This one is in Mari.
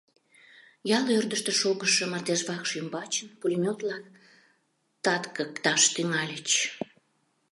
Ял ӧрдыжтӧ шогышо мардежвакш ӱмбачын пулемёт-влак таткыкташ тӱҥальыч.